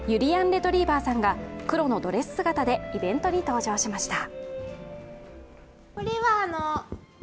レトリィバァさんが黒のドレス姿でイベントに登場しました。